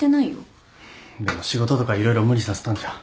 でも仕事とか色々無理させたんじゃ。